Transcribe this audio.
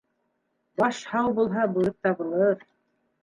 Баш һау булһа, бүрек табылыр.